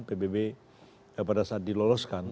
pbb pada saat diloloskan